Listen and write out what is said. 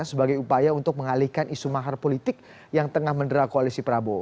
sebagai upaya untuk mengalihkan isu mahar politik yang tengah mendera koalisi prabowo